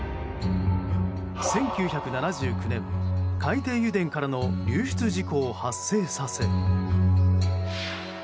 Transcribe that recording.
１９７９年、海底油田からの流出事故を発生させ。